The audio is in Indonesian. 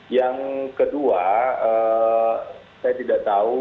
yang kedua saya tidak tahu